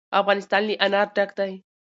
افغانستان له انار ډک دی.